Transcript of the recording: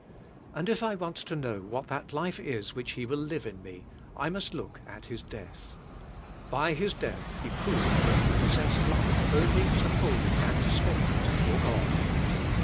And if I want to know what that life is which He will live in me, I must look at His death. By His death He proved that He possessed life only to hold it, and to spend it, for God.